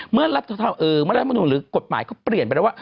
เมื่อรับทศาสตร์เออเมื่อรับทศาสตร์หรือกฎหมายเขาเปลี่ยนไปแล้วว่า